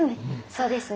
そうですね。